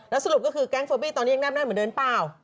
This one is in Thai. สรุปก็คือแก๊งเฟอร์บี้ตอนนี้ยังแนบแน่นเหมือนเดิมเปล่า